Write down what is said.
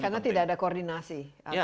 karena tidak ada koordinasi